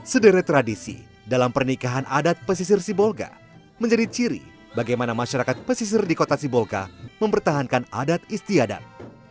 sederet tradisi dalam pernikahan adat pesisir sibolga menjadi ciri bagaimana masyarakat pesisir di kota sibolga mempertahankan adat istiadat